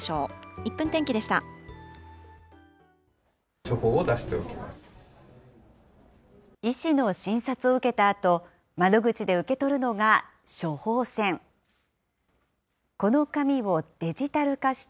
１分天気でした。